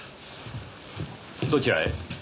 どちらへ？